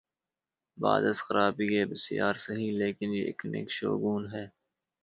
بعد از خرابیء بسیار سہی، لیکن یہ ایک نیک شگون ہے۔